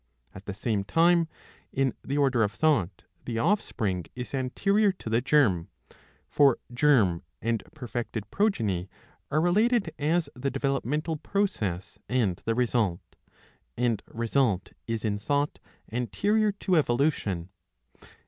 At the same time [in the order of thought] the offspring is anterior to the germ ; for germ and perfected progeny are related as the developmental process and the result, [and result is in thought anterior to evolution].